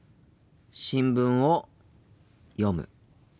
新聞を読む。